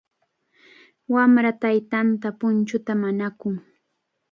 Wamra taytanta punchuta mañakun.